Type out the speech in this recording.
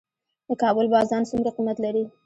د کابل بازان څومره قیمت لري؟